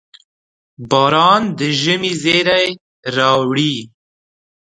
• باران د ژمي زېری راوړي.